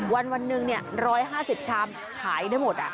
วันหนึ่ง๑๕๐ชามขายได้หมด